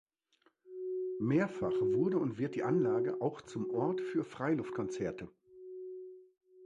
Mehrfach wurde und wird die Anlage auch zum Ort für Freiluftkonzerte.